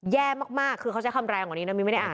แย่มากคือเขาใช้คำแรงกว่านี้นะมิ้วไม่ได้อ่าน